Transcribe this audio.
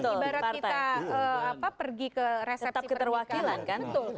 ibarat kita pergi ke resepsi pernikahan